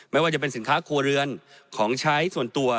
ไม่ว่าจะเป็นสินค้าครัวเรือนของใช้ส่วนตัว